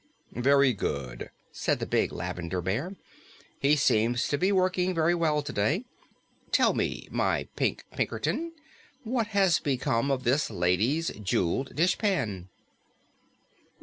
"Very good," said the big Lavender Bear. "He seems to be working very well today. Tell me, my Pink Pinkerton, what has become of this lady's jeweled dishpan?"